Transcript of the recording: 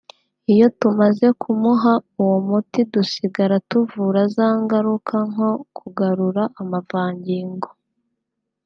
Iyo tumaze kumuha uwo muti dusigara tuvura za ngaruka nko kugarura amavangingo